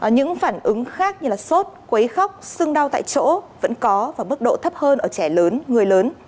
những phản ứng khác như sốt quấy khóc xương đau tại chỗ vẫn có và mức độ thấp hơn ở trẻ lớn người lớn